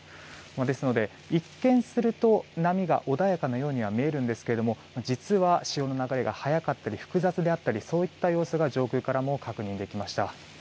ですので、一見すると波が穏やかなようには見えるんですけども実は潮の流れが速かったり複雑であったりそういった様子が上空からも確認できました。